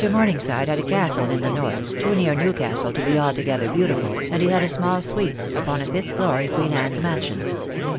Morningside had a castle in the north, too near Newcastle to be altogether beautiful, and he had a small suite upon a fifth floor in Queen Anne's Mansion.